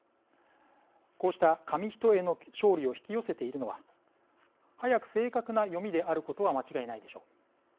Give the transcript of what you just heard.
こうした紙一重の勝利を引き寄せているのは速く正確な読みであることは間違いないでしょう。